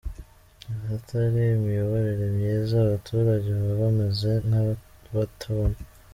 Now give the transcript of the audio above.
Ahatari imiyoborere myiza abaturage baba bameze nk’abatabona